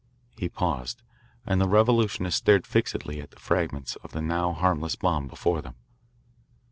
He paused, and the revolutionists stared fixedly at the fragments of the now harmless bomb before them.